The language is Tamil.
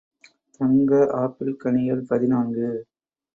தங்க ஆப்பிள் கனிகள் பதினான்கு .